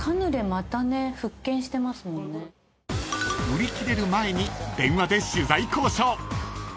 ［売り切れる前に電話で取材交渉］